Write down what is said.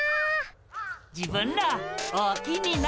自分らおおきにな。